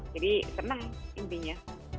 jadi senang intinya